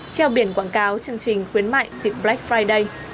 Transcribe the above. treo biển quảng cáo chương trình khuyến mại dịp black friday